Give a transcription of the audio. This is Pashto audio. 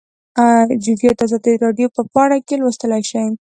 جزییات د ازادي راډیو په پاڼه کې لوستلی شئ